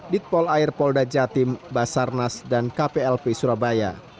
ditpol air pol dajah tim basarnas dan kplp surabaya